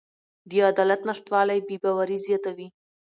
د عدالت نشتوالی بې باوري زیاتوي